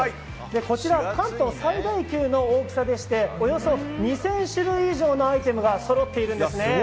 こちら関東最大級の大きさでしておよそ２０００種類以上のアイテムがそろっているんです。